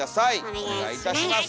お願いします。